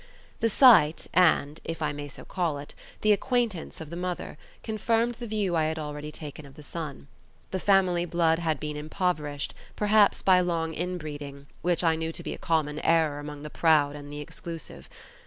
The sight and (if I may so call it) the acquaintance of the mother confirmed the view I had already taken of the son. The family blood had been impoverished, perhaps by long inbreeding, which I knew to be a common error among the proud and the exclusive.